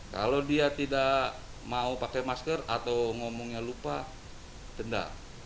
kalau dia tidak mau pakai masker atau ngomongnya lupa denda